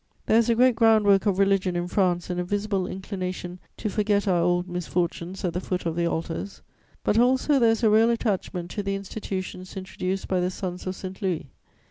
There is a great ground work of religion in France and a visible inclination to forget our old misfortunes at the foot of the altars; but also there is a real attachment to the institutions introduced by the sons of St. Louis.